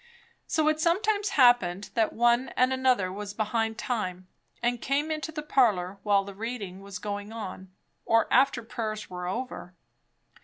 So it sometimes happened that one and another was behind time, and came into the parlour while the reading was going on, or after prayers were over.